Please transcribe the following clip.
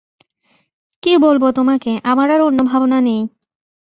কী বলব তোমাকে, আমার আর অন্য ভাবনা নেই।